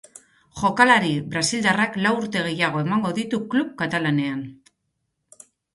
Jokalari brasildarrak lau urte gehiago emango ditu klub katalanean.